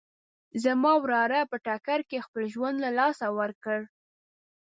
زما وراره په ټکر کې خپل ژوند له لاسه ورکړ